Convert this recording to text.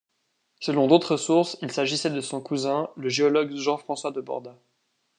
Selon d’autres sources, il s'agissait de son cousin, le géologue Jean-François de Borda.